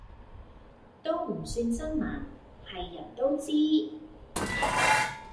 都唔算新聞，係人都知